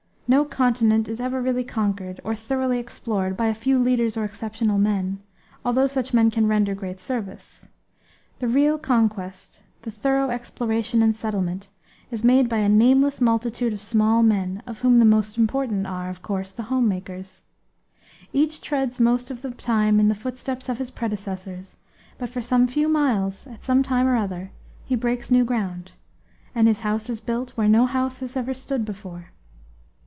No continent is ever really conquered, or thoroughly explored, by a few leaders, or exceptional men, although such men can render great service. The real conquest, the thorough exploration and settlement, is made by a nameless multitude of small men of whom the most important are, of course, the home makers. Each treads most of the time in the footsteps of his predecessors, but for some few miles, at some time or other, he breaks new ground; and his house is built where no house has ever stood before.